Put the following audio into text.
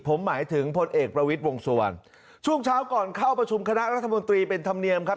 ผมหมายถึงพลเอกประวิทย์วงสุวรรณช่วงเช้าก่อนเข้าประชุมคณะรัฐมนตรีเป็นธรรมเนียมครับ